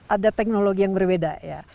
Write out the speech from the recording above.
ada teknologi yang berbeda ya